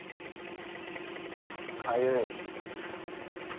かゆいッ。